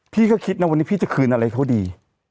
พี่ก็คิดนะวันนี้พี่จะคืนอะไรเขาดี